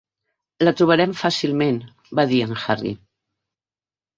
"La trobarem fàcilment", va dir en Harry.